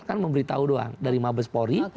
kan memberitahu doang dari mabes pori